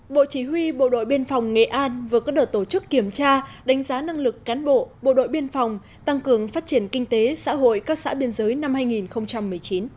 bộ chỉ huy bộ đội biên phòng nghệ an vừa có đợt tổ chức kiểm tra đánh giá năng lực cán bộ bộ đội biên phòng tăng cường phát triển kinh tế xã hội các xã biên giới năm hai nghìn một mươi chín